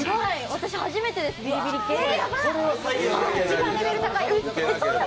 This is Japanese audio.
私、初めてですビリビリゲーム。